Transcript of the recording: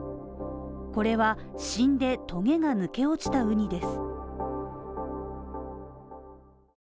これは死んでトゲが抜け落ちたウニです。